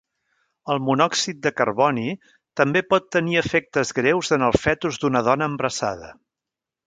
El monòxid de carboni també pot tenir efectes greus en el fetus d'una dona embarassada.